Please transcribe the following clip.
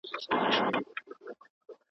ايا حضوري زده کړه د منظم مهالويش غوښتنه کوي؟